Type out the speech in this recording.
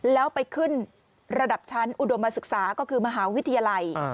แล้วไปขึ้นระดับชั้นอุดมศึกษาก็คือมหาวิทยาลัย